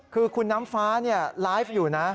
คือคุณน้ำฟ้าไลฟ์อยู่นะ